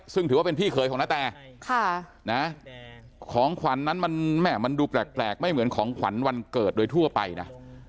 ซึ่งถือว่าเป็นพี่เขยของนาแตของขวัญนั้นมันแม่มันดูแปลกไม่เหมือนของขวัญวันเกิดโดยทั่วไปนะ